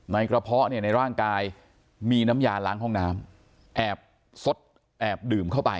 กระเพาะเนี่ยในร่างกายมีน้ำยาล้างห้องน้ำแอบซดแอบดื่มเข้าไป